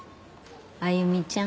歩ちゃん。